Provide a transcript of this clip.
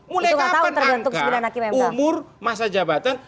mulai kapan angka umur masa jabatan